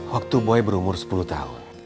waktu boy berumur sepuluh tahun